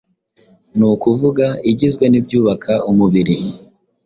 ni ukuvuga igizwe n’ibyubaka umubiri,